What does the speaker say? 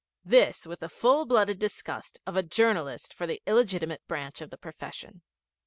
This with the full blooded disgust of a journalist for the illegitimate branch of the profession.